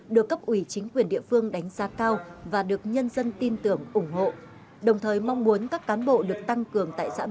được cấp ủy chính quyền địa phương đánh giá cao và được nhân dân tin tưởng ủng hộ